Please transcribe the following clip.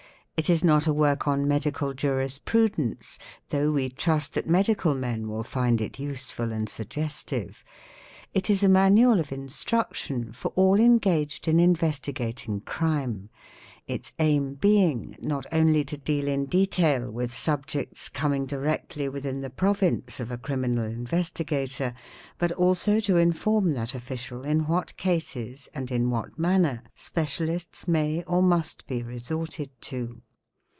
It is not a work on medical jurisprudence, though we trust that medical men will find it useful and suggestive. It isa Manual of Instruction for all engaged in investigating crime, its aim being, not only to deal in detail with subjects coming directly within the province of a _ criminal investigator, but also to inform that official in what cases and in what manner specialists may or must be resorted to.